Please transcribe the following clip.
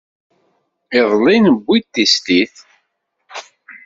Iḍelli, newwi-d tislit.